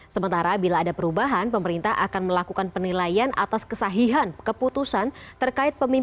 sementara bila ada perubahan pemerintah akan melakukan penilaian atas kesahihan keputusan terkait pemimpin